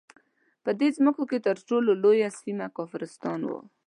په دې مځکو کې تر ټولو لویه سیمه کافرستان وو.